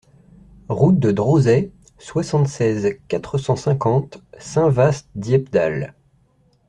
Route de Drosay, soixante-seize, quatre cent cinquante Saint-Vaast-Dieppedalle